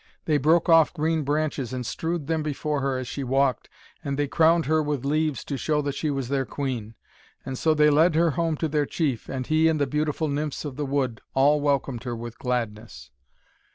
They broke off green branches and strewed them before her as she walked, and they crowned her with leaves to show that she was their queen. And so they led her home to their chief, and he and the beautiful nymphs of the wood all welcomed her with gladness.